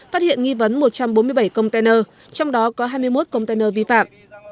phát hiện nghi vấn một trăm bốn mươi bảy container trong đó có hai mươi một container vi phạm